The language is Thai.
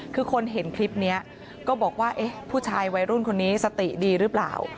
คือคนเห็นคลิปนี้ก็บอกว่าเอ๊ะผู้ชายวัยรุ่นคนนี้สติดีหรือเปล่า